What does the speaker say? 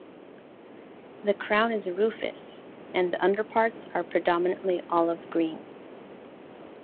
The crown is rufous and the upperparts are predominantly olive green.